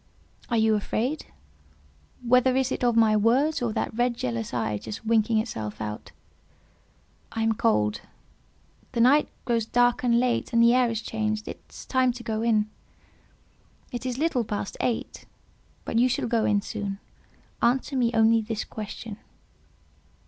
"Are you afraid? Whether is it of my words or that red jealous eye just winking itself out?" "I am cold; the night grows dark and late, and the air is changed; it is time to go in." "It is little past eight, but you shall go in soon. Answer me only this question."